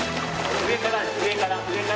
上から上から上から。